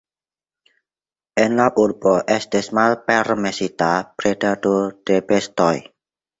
En la urbo estis malpermesita bredado de bestoj.